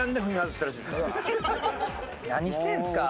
何してんすか！